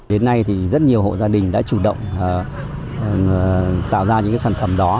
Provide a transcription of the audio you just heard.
đến nay thì rất nhiều hộ gia đình đã chủ động tạo ra những sản phẩm đó